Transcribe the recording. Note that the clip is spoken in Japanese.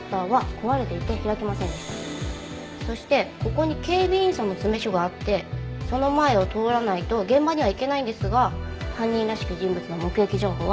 そしてここに警備員さんの詰め所があってその前を通らないと現場には行けないんですが犯人らしき人物の目撃情報はありませんでした。